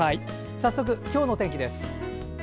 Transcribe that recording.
早速、今日の天気です。